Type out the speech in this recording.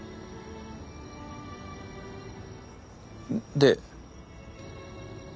で？